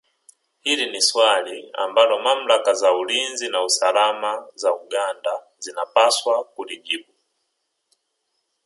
Hili ni swali ambalo mamlaka za ulinzi na usalama za Uganda zinapaswa kulijibu